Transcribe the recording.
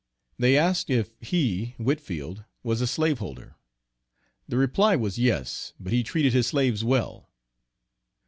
They asked if he (Whitfield) was a slaveholder? The reply was "yes, but he treated his slaves well."